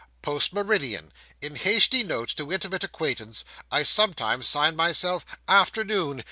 post meridian. In hasty notes to intimate acquaintance, I sometimes sign myself "Afternoon."